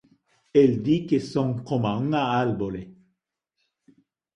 El di que son coma unha árbore